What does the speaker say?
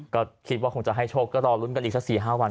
ก็คิดว่าคงจะให้โชคก็รอลุ้นกันอีกสัก๔๕วัน